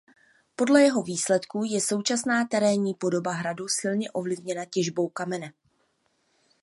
Podle jeho výsledků je současná terénní podoba hradu silně ovlivněna těžbou kamene.